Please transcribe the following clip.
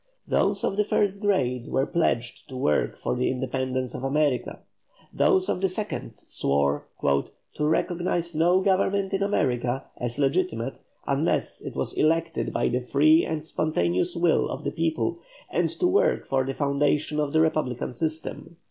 Those of the first grade were pledged to work for the independence of America; those of the second swore "to recognise no government in America as legitimate unless it was elected by the free and spontaneous will of the people, and to work for the foundation of the republican system."